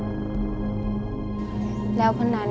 พี่น้องของหนูก็ช่วยย่าทำงานค่ะ